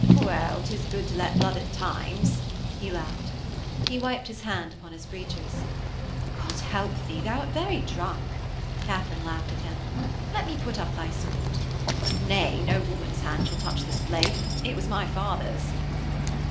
'Well, 'tis good to let blood at times,' he laughed. He wiped his hand upon his breeches. 'God help thee, thou'rt very drunk,' Katharine laughed at him. 'Let me put up thy sword.' 'Nay, no woman's hand shall touch this blade. It was my father's.'